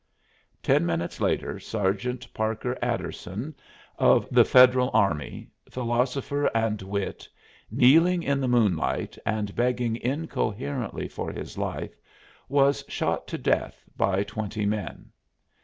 Ten minutes later Sergeant Parker Adderson, of the Federal army, philosopher and wit, kneeling in the moonlight and begging incoherently for his life, was shot to death by twenty men.